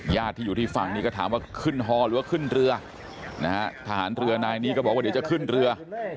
ที่อยู่ที่ฝั่งนี้ก็ถามว่าขึ้นฮอหรือว่าขึ้นเรือนะฮะทหารเรือนายนี้ก็บอกว่าเดี๋ยวจะขึ้นเรือ